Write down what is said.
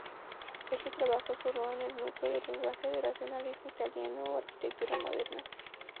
Estos trabajos formaron el núcleo del lenguaje del racionalismo italiano o arquitectura moderna.